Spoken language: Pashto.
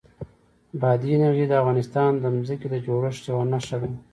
بادي انرژي د افغانستان د ځمکې د جوړښت یوه نښه ده.